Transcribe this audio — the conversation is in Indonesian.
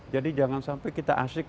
jadi jangan sampai kita asyik